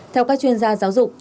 theo các chuyên gia giáo dục